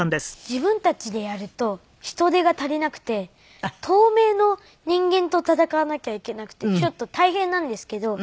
自分たちでやると人手が足りなくて透明の人間と戦わなきゃいけなくてちょっと大変なんですけど。